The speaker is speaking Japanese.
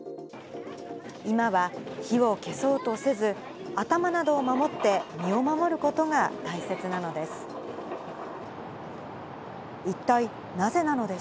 今は、火を消そうとせず、頭などを守って、身を守ることが大切なのです。